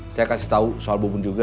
saya kasih tahu soal bubun juga